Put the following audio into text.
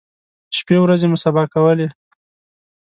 شپی ورځې مو سبا کولې.